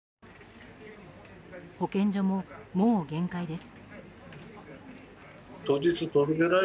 保健所も、もう限界です。